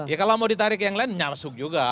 ya kalau mau ditarik yang lain nyalsuk juga